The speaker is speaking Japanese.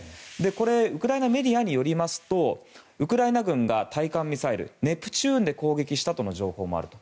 これ、ウクライナメディアによりますとウクライナ軍が対艦ミサイルネプチューンで攻撃したとの情報もあると。